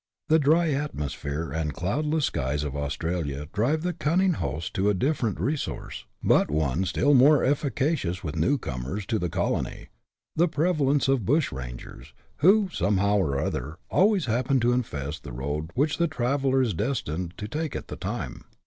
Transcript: The dry atmosphere and cloudless skies of Australia drive the cunning host to a different resource, but one still more efficacious with new comers to the colony — the prevalence of bushrangers, who, somehow or other, always happen to infest the road which the traveller is destined to take at the time.